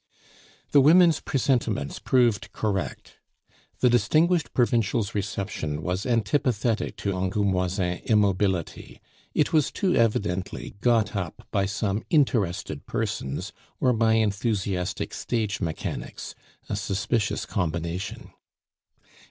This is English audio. The women's presentiments proved correct. The distinguished provincial's reception was antipathetic to Angoumoisin immobility; it was too evidently got up by some interested persons or by enthusiastic stage mechanics, a suspicious combination.